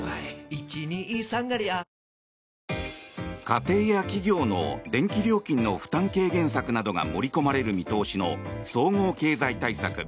家庭や企業の電気料金の負担軽減策などが盛り込まれる見通しの総合経済対策。